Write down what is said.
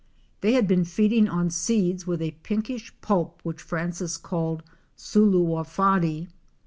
They had been feeding on seeds with a pinkish pulp which Francis called suluwafaddy.